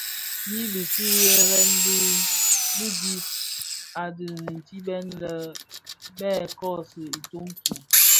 I bisiigherè bi dhim a dhitimbèn lè bè kōōsi itoň ki.